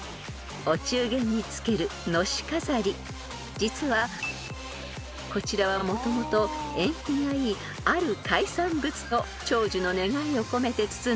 ［実はこちらはもともと縁起がいいある海産物を長寿の願いを込めて包んでいました］